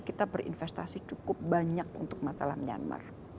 kita berinvestasi cukup banyak untuk masalah myanmar